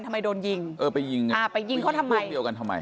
ทำไมโดนยิงเออไปยิงกันอ่าไปยิงเขาทำไมห้องเดียวกันทำไม